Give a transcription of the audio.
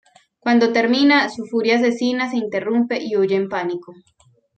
Cuando termina, su furia asesina se interrumpe y huye en pánico.